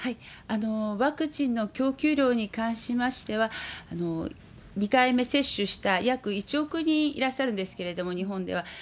ワクチンの供給量に関しましては、２回目接種した、約１億人いらっしゃるんですけれども、日本では。